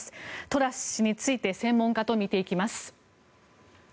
トラス氏について専門家と見ていきます。